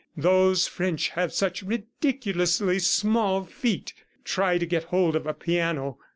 Those French have such ridiculously small feet!" ... "Try to get hold of a piano.".